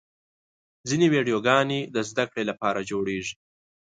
ځینې ویډیوګانې د زدهکړې لپاره جوړېږي.